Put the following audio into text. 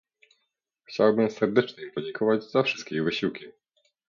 Chciałabym serdecznie im podziękować za wszystkie ich wysiłki